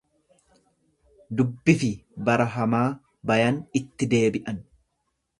Dubbifi bara hamaa bayan itti deebi'an.